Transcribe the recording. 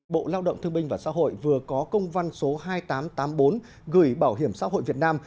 bộ lao động thương binh và xã hội vừa có công văn số hai nghìn tám trăm tám mươi bốn gửi bảo hiểm xã hội việt nam